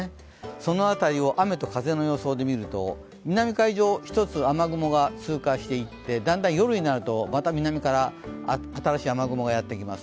その辺りを予想で見てみると南海上、１つ雨雲が通過していってだんだん夜になると、また南から新しい雨雲がやってきます。